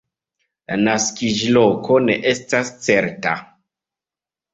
La naskiĝloko ne estas certa.